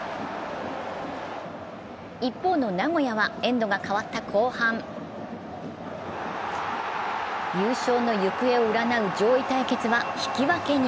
一方の名古屋はエンドが変わった後半、優勝の行方を占う上位対決は引き分けに。